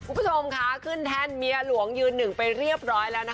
คุณผู้ชมค่ะขึ้นแท่นเมียหลวงยืนหนึ่งไปเรียบร้อยแล้วนะคะ